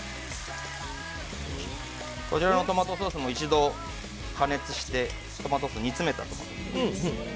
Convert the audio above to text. こちらのトマトソースも一度加熱して、煮詰めたものです。